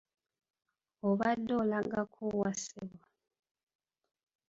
Obadde olagako wa ssebo?